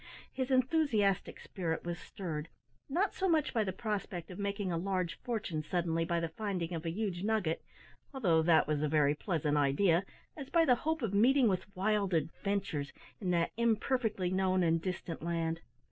His enthusiastic spirit was stirred, not so much by the prospect of making a large fortune suddenly by the finding of a huge nugget although that was a very pleasant idea as by the hope of meeting with wild adventures in that imperfectly known and distant land.